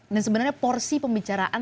dan sebenarnya porsi pembicaraan